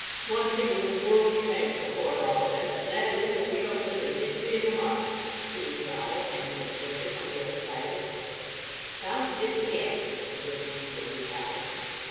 "One thing in this world to be thankful for, at all events, and that is that we don't live in Ditchley in the Marsh," he would growl ten minutes later from the other side of it. "Sounds a bit damp," the good woman would reply.